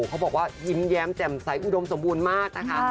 เขาบอกว่ายิ้มแย้มแจ่มใสอุดมสมบูรณ์มากนะคะ